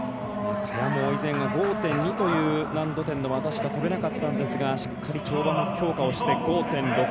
萱も以前は５．２という難度点の技しか跳べなかったんですがしっかり跳馬も強化をして５．６。